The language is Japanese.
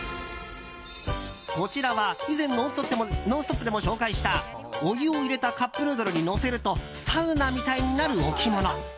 こちらは以前「ノンストップ！」でも紹介したお湯を入れたカップヌードルに乗せるとサウナみたいになる置物。